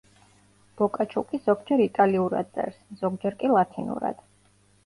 ბოკაჩო კი ზოგჯერ იტალიურად წერს, ზოგჯერ კი ლათინურად.